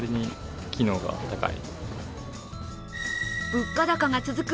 物価高が続く